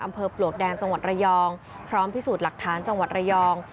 ปลวกแดงจังหวัดระยองพร้อมพิสูจน์หลักฐานจังหวัดระยอง